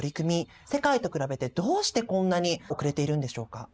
世界と比べてどうしてこんなに遅れているんでしょうか？